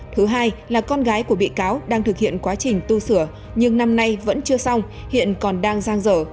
thứ hai là con gái của bị cáo đang thực hiện quá trình tu sửa nhưng năm nay vẫn chưa xong hiện còn đang giang dở